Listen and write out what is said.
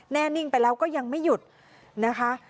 แน่นิ่งไปแล้วก็ยังไม่หยุดนะคะ